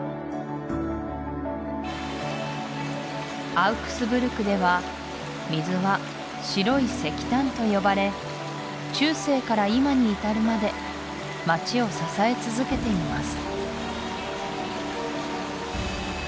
アウクスブルクでは水は「白い石炭」と呼ばれ中世から今に至るまで街を支え続けています